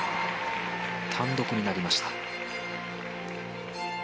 単独になりました。